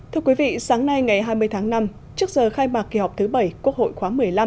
thưa quý vị sáng nay ngày hai mươi tháng năm trước giờ khai mạc kỳ họp thứ bảy quốc hội khóa một mươi năm